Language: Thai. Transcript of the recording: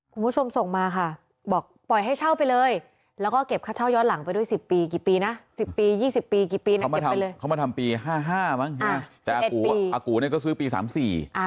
คุณผู้ชมส่งมาค่ะค่ะบอกปล่อยให้เช่าไปเลยแล้วก็เก็บค่าเช่าย้อนหลังไปด้วยสิบปีกี่ปีนะสิบปียี่สองปีกี่ปีนะเขามาทำไปเลยเขามา